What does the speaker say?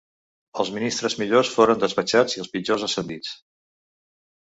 Els ministres millors foren despatxats i els pitjors ascendits.